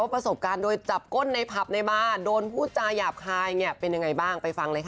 ประสบการณ์โดยจับก้นในผับในบาร์โดนพูดจาหยาบคายเนี่ยเป็นยังไงบ้างไปฟังเลยค่ะ